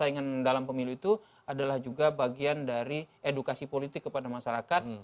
persaingan dalam pemilu itu adalah juga bagian dari edukasi politik kepada masyarakat